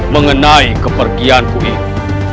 mengenai kepergianku ini